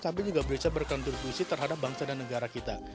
tapi juga bisa berkontribusi terhadap bangsa dan negara kita